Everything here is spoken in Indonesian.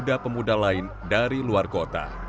pemuda pemuda lain dari luar kota